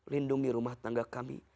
lindungi rumah tangga kami